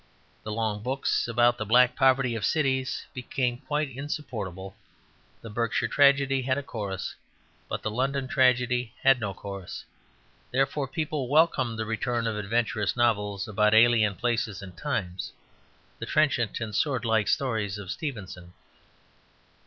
The long books about the black poverty of cities became quite insupportable. The Berkshire tragedy had a chorus; but the London tragedy has no chorus. Therefore people welcomed the return of adventurous novels about alien places and times, the trenchant and swordlike stories of Stevenson.